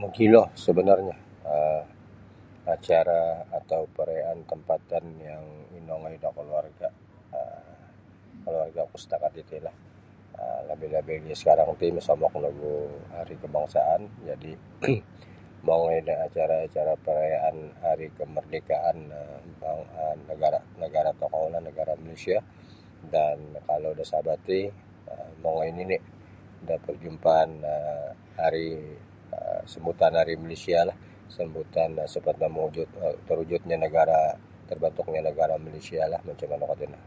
Mogilo sebenarnyo um acara atau perayaan tempatan yang inongoi da keluarga um keluargaku setakat titi lah lebih-lebih lagi sekarang ti mosomok nogu Hari Kebangsaan jadi mongoi da acara hari kemerdekaan nagara tokou Malaysia dan kalau da Sabah ti mongoi nini da perjumpaan Hari Malaysia sambutan sempena terwujudnya negara terbentuknya Malaysialah manu kuo tino.